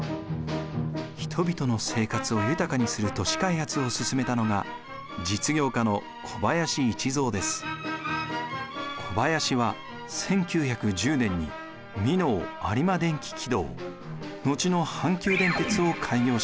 人々の生活を豊かにする都市開発を進めたのが小林は１９１０年に箕面有馬電気軌道後の阪急電鉄を開業しました。